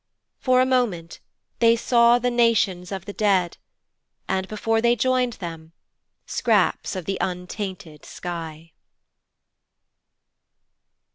For a moment they saw the nations of the dead, and, before they joined them, scraps of the untainted sky.